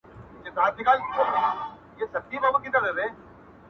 • بل جهان بل به نظام وي چي پوهېږو -